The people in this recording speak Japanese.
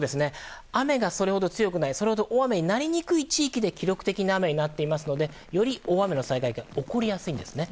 雨がそれほど強くないそれほど大雨になりにくい地域で記録的な雨になっていますのでより大雨の災害が起こりやすいんですね。